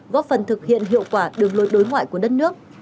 góp phần thực hiện hiệu quả đường lối đối ngoại của đất nước